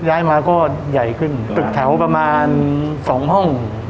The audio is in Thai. ย้ายมาก็ใหญ่ขึ้นตึกแถวประมาณสองห้อง